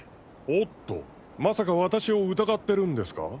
おっとまさか私を疑ってるんですか？